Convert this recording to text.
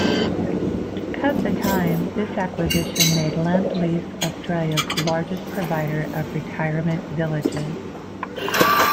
At the time, this acquisition made Lend Lease Australia's largest provider of retirement villages.